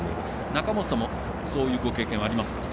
中本さんもそういうご経験はありますか？